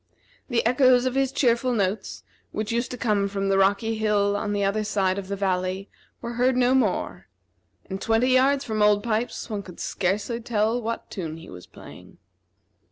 The echoes of his cheerful notes, which used to come from the rocky hill on the other side of the valley, were heard no more; and twenty yards from Old Pipes one could scarcely tell what tune he was playing.